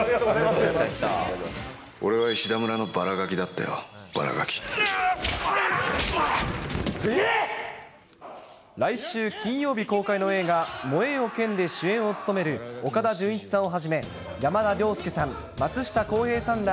俺はいしだ村のばらがきだっ来週金曜日公開の映画、燃えよ剣で主演を務める岡田准一さんをはじめ、山田涼介さん、松下洸平さんら